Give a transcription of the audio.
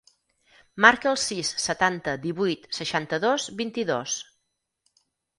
Marca el sis, setanta, divuit, seixanta-dos, vint-i-dos.